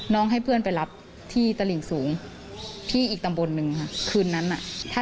ให้เพื่อนไปรับที่ตลิ่งสูงที่อีกตำบลหนึ่งค่ะคืนนั้นน่ะ